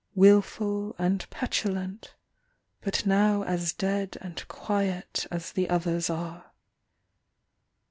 ... Wilful and petulant but now 82 As dead and quiet as the others are."